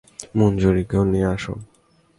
মঞ্জুরীকেও নিয়ে আসো।